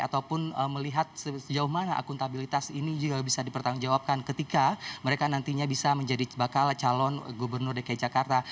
ataupun melihat sejauh mana akuntabilitas ini juga bisa dipertanggungjawabkan ketika mereka nantinya bisa menjadi bakal calon gubernur dki jakarta